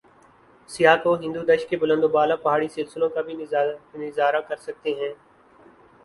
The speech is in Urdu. سیاح کو ہندودش کے بلند و بالا پہاڑی سلسوں کا بھی نظارہ کر سکتے ہیں ۔